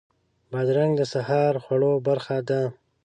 بادرنګ د سهار خوړو برخه ده.